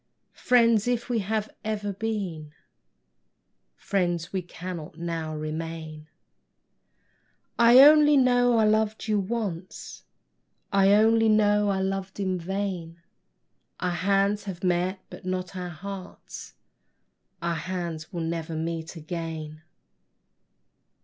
Friends, if we have ever been, Friends we cannot now remain: I only know I loved you once, I only know I loved in vain; Our hands have met, but not our hearts; Our hands will never meet again!